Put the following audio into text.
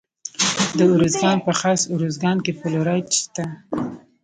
د ارزګان په خاص ارزګان کې فلورایټ شته.